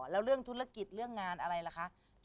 แล้วเรื่องธุรกิจเรื่องงานอะไรล่ะคะ